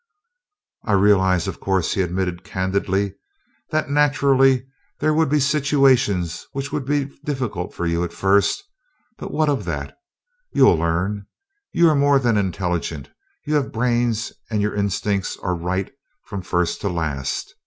"I realize, of course," he admitted candidly, "that naturally there would be situations which would be difficult for you at first; but what of that? You'll learn. You are more than intelligent you have brains, and your instincts are right from first to last.